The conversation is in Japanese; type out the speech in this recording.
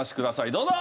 どうぞ。